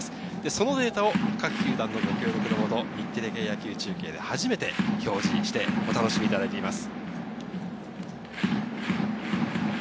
そのデータを各球団ご協力野のもと、日テレ系野球中継で初めて表示してお送りしています。